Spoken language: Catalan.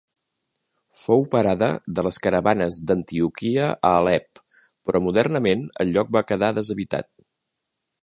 Fou parada de les caravanes d'Antioquia a Alep però modernament el lloc va quedar deshabitat.